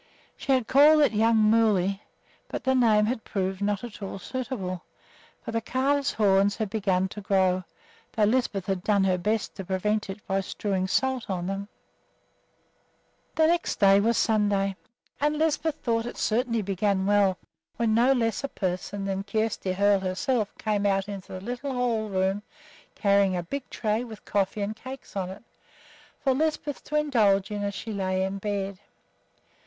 She had called it Young Moolley, but the name had proved not at all suitable, for the calf's horns had begun to grow, although Lisbeth had done her best to prevent it by strewing salt upon them. See note on page 45. The next day was Sunday, and Lisbeth thought it certainly began well when no less a person than Kjersti Hoel herself came out into the little hall room carrying a big tray with coffee and cakes on it, for Lisbeth to indulge in as she lay in bed.